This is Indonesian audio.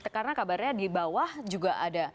karena kabarnya di bawah juga ada